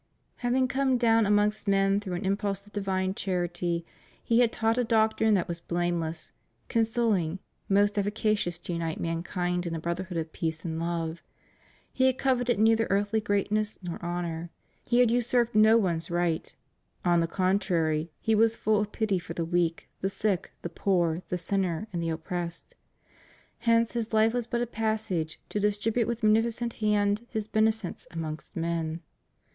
Having come down amongst men through an impulse of divine charity. He had taught a doctrine that was blameless, consoling, most efficacious to unite mankind in a brotherhood of peace and love; He had coveted neither earthly greatness nor honor; He had usurped no one's right; on the contrary. He was full of pity for the weak, the sick, the poor, the sinner, and the oppressed: hence His life was but a passage to distribute with munificent hand His benefits amongst men.